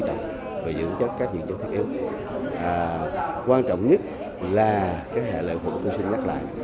đồng về dưỡng chất các dưỡng chất thiết yếu quan trọng nhất là cái hệ lệ quẩn tôi xin nhắc lại